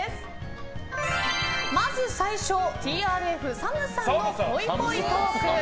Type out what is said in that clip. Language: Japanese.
まず、最初ＴＲＦ、ＳＡＭさんのぽいぽいトーク。